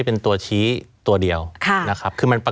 หนักใจหรอ